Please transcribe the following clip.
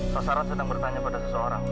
sasaran sedang bertanya pada seseorang